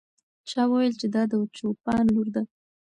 چا وویل چې دا د چوپان لور ده.